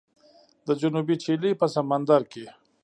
د جنوبي چیلي په سمندر کې